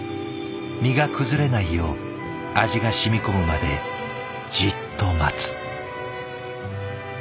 身が崩れないよう味が染み込むまでじっと待つ。